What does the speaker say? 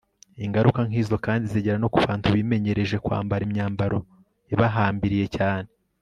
ingaruka nk'izo kandi zigera no ku bantu bimenyereje kwambara imyambaro ibahambiriye cyane